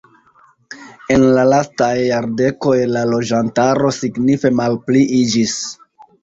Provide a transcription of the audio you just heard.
En la lastaj jardekoj la loĝantaro signife malpliiĝis.